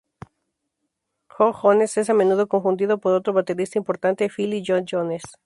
Jo Jones es a menudo confundido por otro baterista importante, Philly Joe Jones.